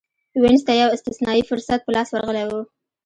وینز ته یو استثنايي فرصت په لاس ورغلی و.